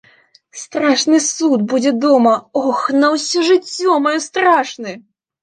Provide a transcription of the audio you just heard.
Страшны суд будзе дома, ох, на ўсё жыццё маё страшны!